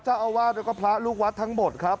เจ้าอาวาสแล้วก็พระลูกวัดทั้งหมดครับ